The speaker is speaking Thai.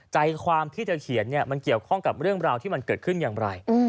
ใจความที่เธอเขียนเนี่ยมันเกี่ยวข้องกับเรื่องราวที่มันเกิดขึ้นอย่างไร